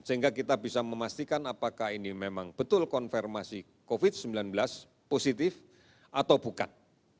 sehingga kita bisa memastikan apakah ini memang betul konfirmasi covid sembilan belas positif atau bukan